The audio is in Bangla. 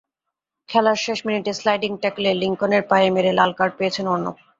খেলার শেষ মিনিটে স্লাইডিং ট্যাকলে লিঙ্কনের পায়ে মেরে লাল কার্ড পেয়েছেন অর্ণব।